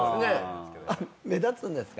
目立つんですか？